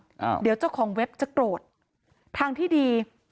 อ่าเดี๋ยวเจ้าของเว็บจะโกรธทางที่ดี